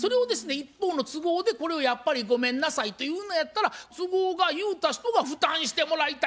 一方の都合で「やっぱりごめんなさい」と言うのやったら「都合が」言うた人が負担してもらいたい。